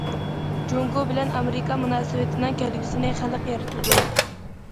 جۇڭگو بىلەن ئامېرىكا مۇناسىۋىتىنىڭ كەلگۈسىنى خەلق يارىتىدۇ.